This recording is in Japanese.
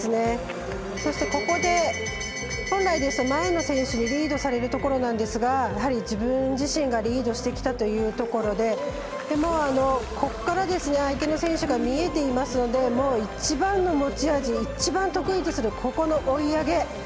そして、本来ですと前の選手にリードされるところなんですが自分自身がリードしてきたというところで相手の選手が見えていますのでもう一番の持ち味一番得意とする追い上げ。